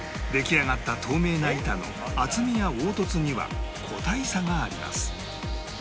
出来上がった透明な板の厚みや凹凸には個体差があります